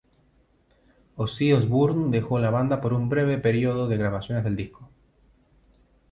Ozzy Osbourne dejó la banda por un breve período en las grabaciones del disco.